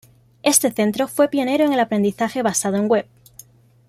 Este centro fue pionero en el aprendizaje basado en web.